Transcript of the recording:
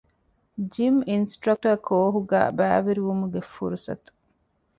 ޖިމް އިންސްޓްރަކްޓަރ ކޯހުގައި ބައިވެރިވުމުގެ ފުރުސަތު